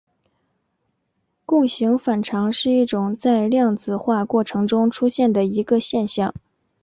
共形反常是一种在量子化过程中出现的一个现象。